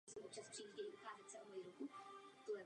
Spory jsou u dospělých neškodné kvůli vyšší kyselosti žaludku.